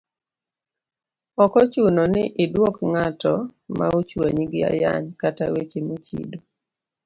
Ok ochuno ni idwok ng'at ma ochwanyi gi ayany kata weche mochido,